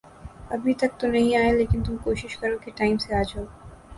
ابھی تک تو نہیں آئے، لیکن تم کوشش کرو کے ٹائم سے آ جاؤ۔